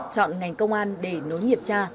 chọn ngành công an để nối nghiệp tra